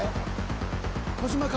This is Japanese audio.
小島か？